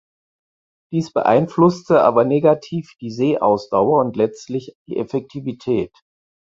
Dies beeinflusste aber negativ die Seeausdauer und letztlich die Effektivität.